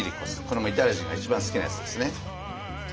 これもイタリア人が一番好きなやつですね。